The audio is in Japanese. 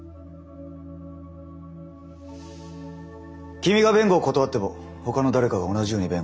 君が弁護を断ってもほかの誰かが同じように弁護をする。